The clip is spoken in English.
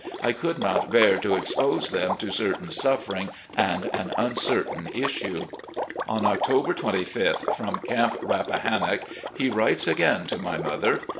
I could not bear to expose them to certain suffering and an \mcertain issue. .. On October 2Sth, from "Camp Rappahannock," he writes again to my mother